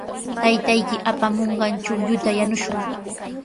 Taytayki apamunqan chuqlluta yanushun.